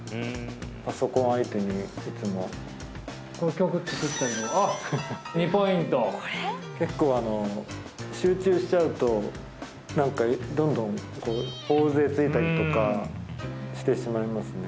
パソコン相手にいつも曲作ったりあっ２ポイント結構集中しちゃうと何かどんどんこうほおづえついたりとかしてしまいますね